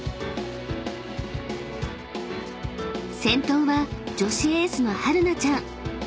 ［先頭は女子エースのはるなちゃん］